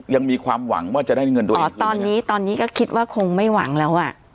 ยังมีความหวังว่าจะได้เงินด้วยอ๋อตอนนี้ตอนนี้ก็คิดว่าคงไม่หวังแล้วอ่ะ